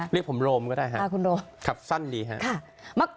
เรียกผมโรมก็ได้ค่ะสั้นดีค่ะ